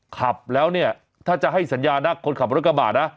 ขับแล้วเนี่ยถ้าจะให้สัญญานะคนขับรถกระบะนะ